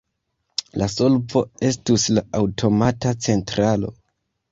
La solvo estus la aŭtomata centralo.